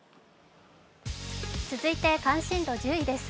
続いて関心度１０位です。